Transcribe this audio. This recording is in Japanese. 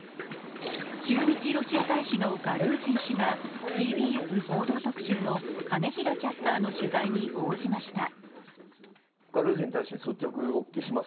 駐日ロシア大使のガルージン氏がＴＢＳ「報道特集」の金平キャスターの取材に応じました。